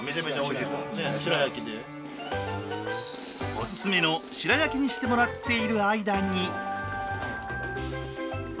おすすめの白焼きにしてもらっている間に。